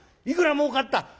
「いくら儲かった？」。